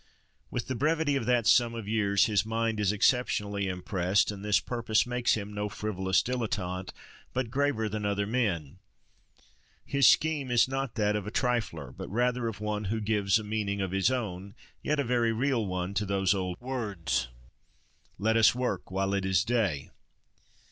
With the brevity of that sum of years his mind is exceptionally impressed; and this purpose makes him no frivolous dilettante, but graver than other men: his scheme is not that of a trifler, but rather of one who gives a meaning of his own, yet a very real one, to those old words—Let us work while it is day!